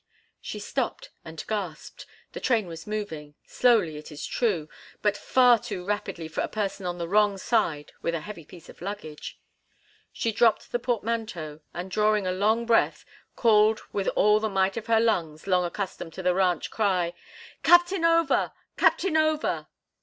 She stopped and gasped. The train was moving—slowly, it is true, but far too rapidly for a person on the wrong side with a heavy piece of luggage. She dropped the portmanteau and, drawing a long breath, called with all the might of lungs long accustomed to the ranch cry: "Captain Over! Captain Over!"